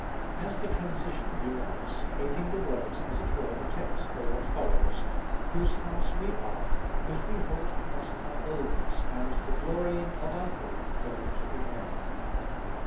As the transition he writes, making the words as it were the text for what follows, Whose house we are, if we hold fast our boldness, and the glorying of our hope firm to the end.